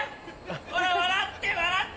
ほら笑って笑って！